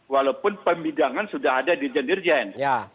walaupun pemidangan sudah ada di dirjen dirjen